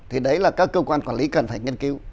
thì đấy là các cơ quan quản lý cần phải nghiên cứu